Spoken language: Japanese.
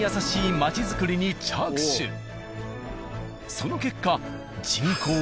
その結果。